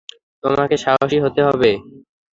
তোমাকে সাহসী হতে হবে!